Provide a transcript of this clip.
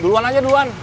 duluan aja duluan